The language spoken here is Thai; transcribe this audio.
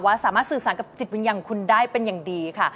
สามารถสื่อสารกับจิตวิญญาณของคุณได้เป็นอย่างดีค่ะ